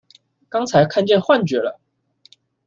剛才看見幻覺了！